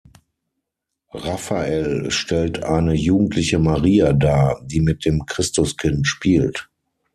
Raffael stellt eine jugendliche Maria dar, die mit dem Christuskind spielt.